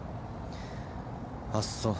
あっそう。